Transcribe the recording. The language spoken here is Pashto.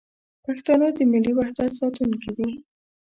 پښتانه د ملي وحدت ساتونکي دي.